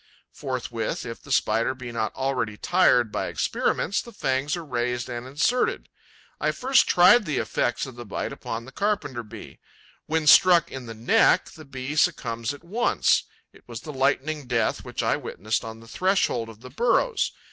Forthwith, if the Spider be not already tired by experiments, the fangs are raised and inserted. I first tried the effects of the bite upon the Carpenter bee. When struck in the neck, the Bee succumbs at once. It was the lightning death which I witnessed on the threshold of the burrows.